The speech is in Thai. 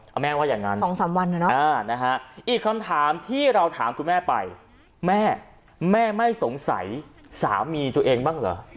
เอาแม่ว่าอย่างนั้น๒๓วันอีกคำถามที่เราถามคุณแม่ไปแม่แม่ไม่สงสัยสามีตัวเองบ้างเหรอ